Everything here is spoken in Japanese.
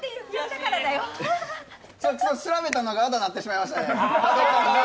攻めたのがあだになっちゃいましたね。